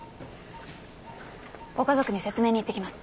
ご家族に説明に行ってきます。